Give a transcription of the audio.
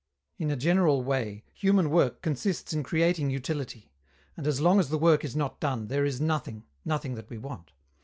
In a general way, human work consists in creating utility; and, as long as the work is not done, there is "nothing" nothing that we want.